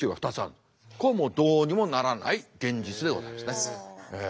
これどうにもならない現実でございますね。